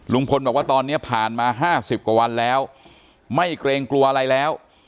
ลุงพลบอกว่าตอนนี้ผ่านมา๕๐กว่าวันแล้วไม่เกรงกลัวอะไรแล้ว